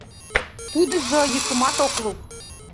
Тудыжо йӱкымат ок лук.